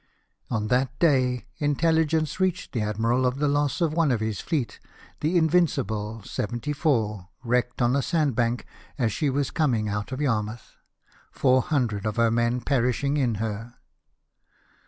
On that day intelligence reached the admiral of the loss of one of his fleet, the Invincible, 74, wrecked on a sandbank as she was coming out of Yarmouth, 400 of her men perishing in her.